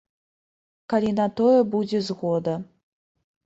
Калі на тое будзе згода.